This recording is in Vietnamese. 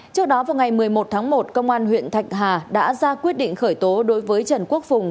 trước đó vào ngày một mươi một tháng một công an huyện thạch hà đã ra quyết định khởi tố đối với trần quốc phùng